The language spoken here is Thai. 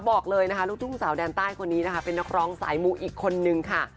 บอกเลยนะคะลูกทุ่งสาวแดนใต้คนนี้นะคะเป็นนักร้องสายมูอีกคนนึงค่ะ